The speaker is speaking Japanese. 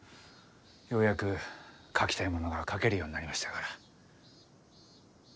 ようやく書きたいものが書けるようになりましたから。